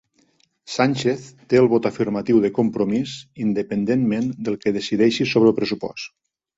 Sánchez té el vot afirmatiu de Compromís independentment del que decideixi sobre el pressupost